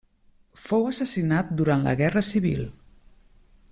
Fou assassinat durant la Guerra Civil.